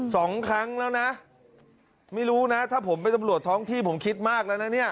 สองครั้งแล้วนะไม่รู้นะถ้าผมเป็นตำรวจท้องที่ผมคิดมากแล้วนะเนี่ย